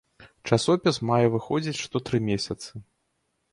Часопіс мае выходзіць што тры месяцы.